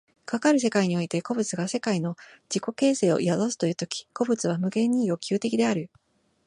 かかる世界において個物が世界の自己形成を宿すという時、個物は無限に欲求的である。